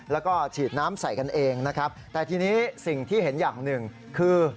แล้วก็ฉีดน้ำใส่กันเองนะครับแต่ทีนี้สิ่งที่เห็นอย่างหนึ่งคือ